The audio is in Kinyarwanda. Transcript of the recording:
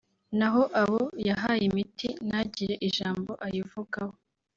naho abo yahaye imiti ntagire ijambo ayivugaho